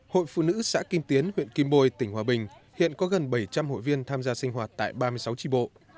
hội phụ nữ xã kim tiến huyện kim bôi tỉnh hòa bình hiện có gần bảy trăm linh hội viên tham gia sinh hoạt tại ba mươi sáu tri bộ